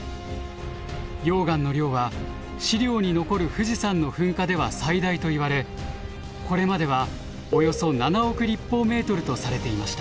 溶岩の量は資料に残る富士山の噴火では最大といわれこれまではおよそ７億とされていました。